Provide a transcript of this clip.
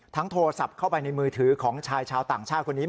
โทรศัพท์เข้าไปในมือถือของชายชาวต่างชาติคนนี้